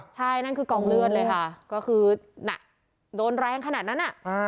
ใช่นั่นคือกองเลือดเลยค่ะก็คือโดนแรงขนาดนั้น